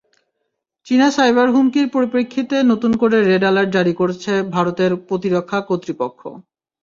চীনা সাইবার হুমকির পরিপ্রেক্ষিতে নতুন করে রেড অ্যালার্ট জারি করেছে ভারতের প্রতিরক্ষা কর্তৃপক্ষ।